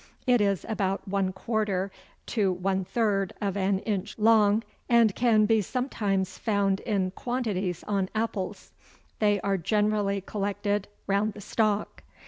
It is about one quarter to one third of an inch long, and can be sometimes found in quantities on apples; they are generally collected round the stalk.